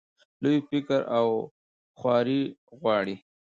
لوی فکر او خواري غواړي.